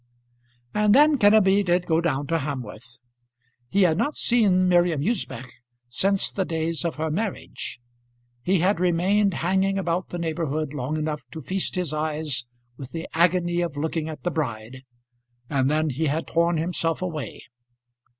And then Kenneby did go down to Hamworth. He had not seen Miriam Usbech since the days of her marriage. He had remained hanging about the neighbourhood long enough to feast his eyes with the agony of looking at the bride, and then he had torn himself away.